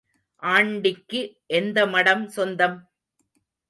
ஆண்டிக்கு எந்த மடம் சொந்தம்?